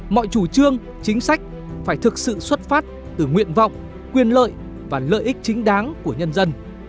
mọi chủ trương chính sách phải thực sự xuất phát từ nguyện vọng quyền lợi và lợi ích chính đáng của nhân dân